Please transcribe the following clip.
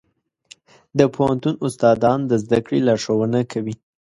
د پوهنتون استادان د زده کړې لارښوونه کوي.